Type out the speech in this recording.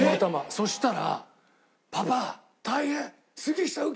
そしたら。